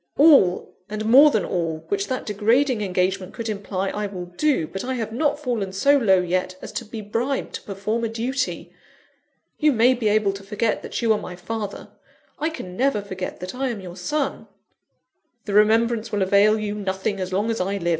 "All, and more than all, which that degrading engagement could imply, I will do. But I have not fallen so low yet, as to be bribed to perform a duty. You may be able to forget that you are my father; I can never forget that I am your son." "The remembrance will avail you nothing as long as I live.